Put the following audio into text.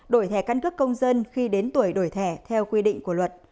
đổi thẻ căn cước công dân khi đến tuổi đổi thẻ theo quy định của luật